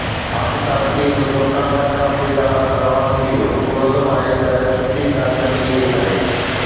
Pakistan team جو ڪپتان ڏکڻ آفريڪا روانو ٿي ويو، پرعزم آهي ته سٺي ڪارڪردگي ڏيکاري